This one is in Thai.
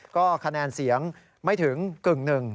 ก็คะแนนเสียงไม่ถึงกึ่งหนึ่ง